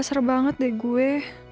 gak ser banget deh gue